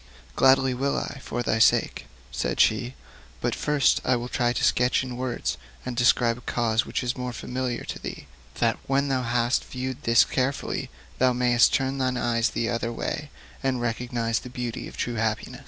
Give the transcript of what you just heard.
'Gladly will I, for thy sake,' said she. 'But first I will try to sketch in words, and describe a cause which is more familiar to thee, that, when thou hast viewed this carefully, thou mayst turn thy eyes the other way, and recognise the beauty of true happiness.'